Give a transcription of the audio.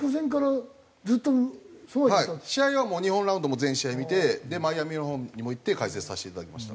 試合はもう日本ラウンドも全試合見てマイアミのほうにも行って解説させていただきました。